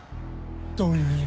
どういう意味。